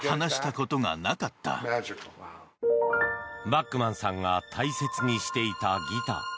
バックマンさんが大切にしていたギター。